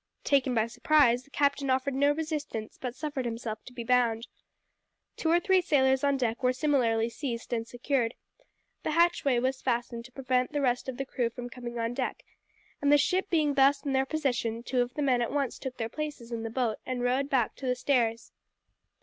Taken by surprise, the captain offered no resistance, but suffered himself to be bound. Two or three sailors on deck were similarly seized and secured, the hatchway was fastened to prevent the rest of the crew from coming on deck, and the ship being thus in their possession two of the men at once took their places in the boat and rowed back to the stairs.